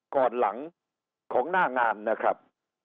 ก่อนหลังของหน้างานนะครับ